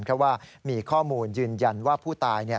เพราะว่ามีข้อมูลยืนยันว่าผู้ตาย